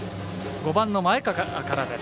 ５番の前川からです。